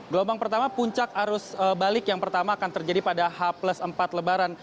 gelombang pertama puncak arus balik yang pertama akan terjadi pada h empat lebaran